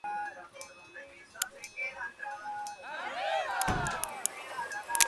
Ocupa solamente la parte anterior del espacio desde la línea axilar media del esternón.